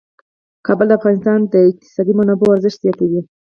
کابل د افغانستان د اقتصادي منابعو ارزښت زیاتوي.